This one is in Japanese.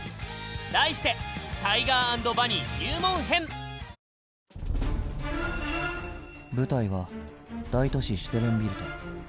題して舞台は大都市シュテルンビルト。